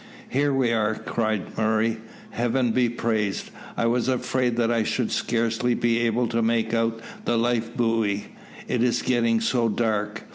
"Here we are!" cried Murray; "Heaven be praised I was afraid that I should scarcely be able to make out the life buoy, it is getting so dark."